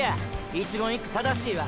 一言一句正しいわ。